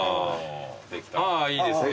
ああいいですね。